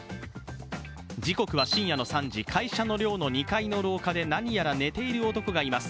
時刻は深夜の３時、会社の寮の２階の廊下で何やら寝ている男がいます。